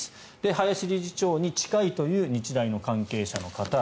林理事長に近いという日大の関係者の方。